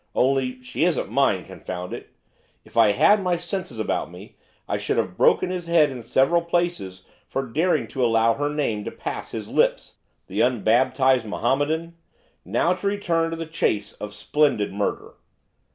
only she isn't mine, confound it! if I had had my senses about me, I should have broken his head in several places for daring to allow her name to pass his lips, the unbaptised Mohammedan! Now to return to the chase of splendid murder!